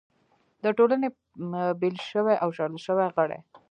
د ټولنې بېل شوي او شړل شوي غړي